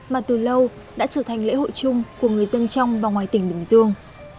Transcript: mà từ lâu đã trở thành lễ hội chung của người dân trong và ngoài tỉnh bình dương